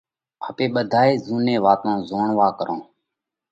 آپي ٻڌي زُوني واتون زوڻوا ڪرونه،